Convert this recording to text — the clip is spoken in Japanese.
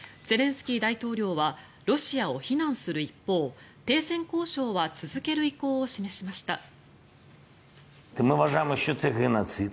ゼレンスキー大統領はロシアを非難する一方停戦交渉は続ける意向を示しました。